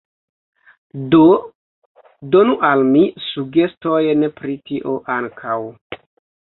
Do donu al mi sugestojn pri tio ankaŭ.